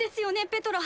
ペトラ。